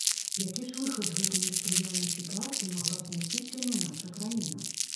Які ж выхад з гэтай неспрыяльнай сітуацыі магла б знайсці сёння наша краіна?